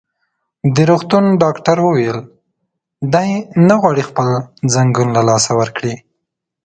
د روغتون ډاکټر وویل: دی نه غواړي خپل ځنګون له لاسه ورکړي.